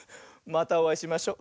またおあいしましょ。